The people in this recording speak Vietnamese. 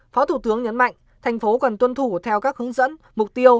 phó thủ tướng nhấn mạnh thành phố cần tuân thủ theo các hướng dẫn mục tiêu